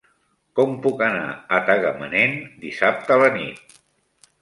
Com puc anar a Tagamanent dissabte a la nit?